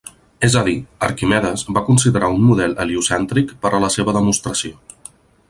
És a dir, Arquimedes va considerar un model heliocèntric per a la seva demostració.